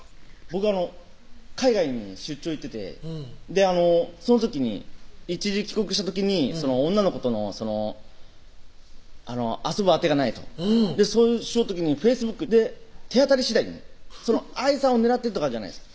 僕海外に出張行っててその時に一時帰国した時に女の子との遊ぶ当てがないとそうしよう時にＦａｃｅｂｏｏｋで手当たり次第に愛さんを狙ってとかじゃないです